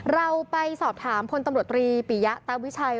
เราไปสอบถามพลตำรวจรีปิยะตาวิชัย